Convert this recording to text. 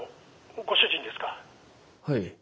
はい。